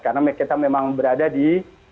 karena kita memang berada di